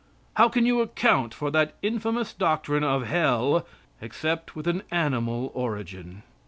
How can you account for that infamous doctrine of Hell, except with an animal origin?